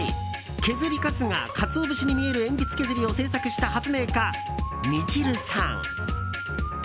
削りかすがカツオ節に見える鉛筆削りを製作した発明家、ミチルさん。